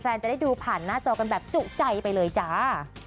จะได้ดูผ่านหน้าจอกันแบบจุใจไปเลยจ้า